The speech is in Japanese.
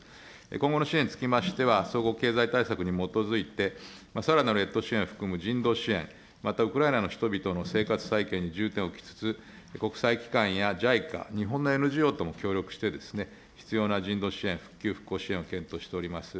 今後の支援につきましては、総合経済対策に基づいて、さらなる越冬支援を含む人道支援、またウクライナの人々の生活再建に重点を置きつつ、国際機関やＪＩＣＡ、日本のＮＧＯとも協力して、必要な人道支援、復旧復興支援を検討しております。